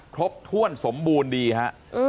ครบถ้วนสมบูรณ์ดีฮะ